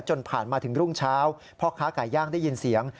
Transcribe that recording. จนผ่านมาถึงรุ่งเช้าพ่อค้าไก่ย่างได้ยินเสียง